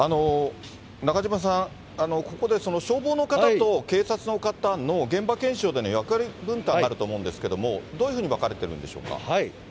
中島さん、ここで消防の方と警察の方の現場検証での役割分担があると思うんですけど、どういうふうに分かれてるんでしょうか。